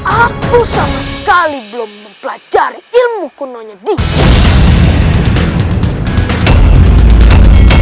aku sama sekali belum mempelajari ilmu kunonya dies